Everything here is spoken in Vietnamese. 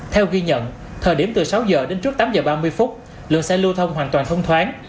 theo ghi nhận thời điểm từ sáu h đến trước tám h ba mươi phút lượng xe lưu thông hoàn toàn thông thoáng